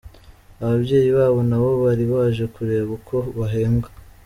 Ababyeyi babo nabo bari baje kureba uko bahembwa